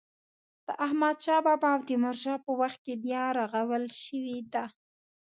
د احمد شا بابا او تیمور شاه په وخت کې بیا رغول شوې ده.